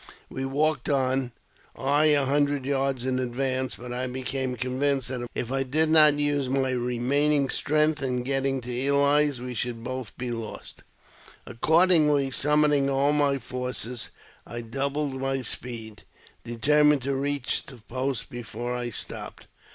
We walked on, I a hundred yards in advance, but I became con vinced that if I did not use my remaining strength in getting to Ely's, we should both be lost. Accordingly, summoning all my forces, I doubled my speed, determined to reach the post before I stopped.